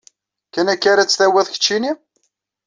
Kan akka ara tt-tawiḍ, keččini?